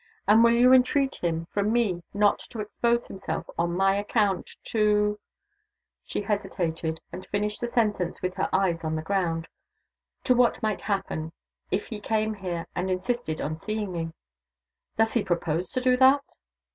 "And will you entreat him, from me, not to expose himself, on my account, to " she hesitated, and finished the sentence with her eyes on the ground "to what might happen, if he came here and insisted on seeing me." "Does he propose to do that?"